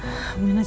biar membawa keburu